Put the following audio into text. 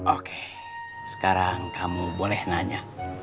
oke sekarang kamu boleh nanya